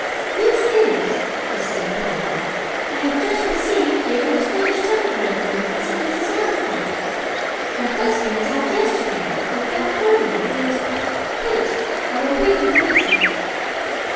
"Miss Innes," she said volubly, "I have just received a very strange telegram from my cousin, Mrs. Armstrong. Her husband died yesterday, in California and—wait, I will read you the message."